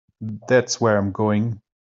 That's where I'm going.